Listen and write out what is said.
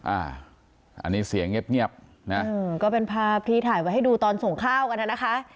อันนี้เสียงเงียบเงียบนะเออก็เป็นภาพที่ถ่ายไว้ให้ดูตอนส่งข้าวกันนะคะ